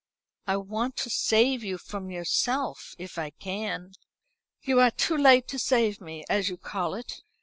"I want to save you from yourself, if I can." "You are too late to save me, as you call it.